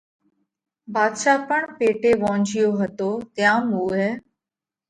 ڀاڌشا پڻ پيٽي وونجھِيو هتو تيام اُوئہ